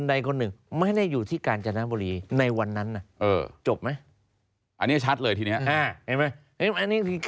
อันนี้จะชัดเลยทีนี้